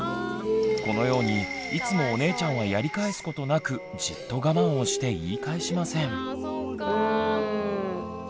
このようにいつもお姉ちゃんはやり返すことなくじっと我慢をして言い返しません。